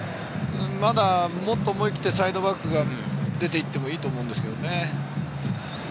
まだもっと思い切ってサイドバックが出ていってもいいと思うんですけどね。